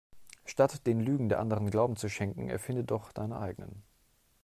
Statt den Lügen der Anderen Glauben zu schenken erfinde doch deine eigenen.